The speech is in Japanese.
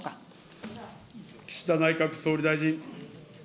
岸田内閣総理大臣。